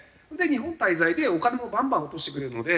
日本滞在でお金もバンバン落としてくれるので。